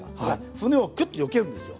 船をキュッとよけるんですよ。